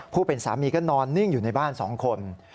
ผู้เป็นสามีก็นอนนิ่งอยู่ในบ้าน๒คน